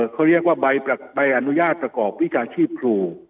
เขาเรียกว่าใบอนุญาตประกอบวิชาชีพครู